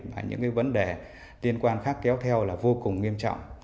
và những vấn đề tiên quan khác kéo theo là vô cùng nghiêm trọng